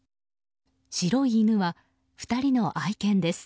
白い犬は２人の愛犬です。